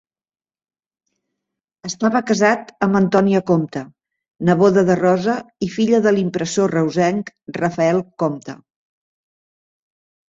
Estava casat amb Antònia Compte, neboda de Rosa i filla de l'impressor reusenc Rafael Compte.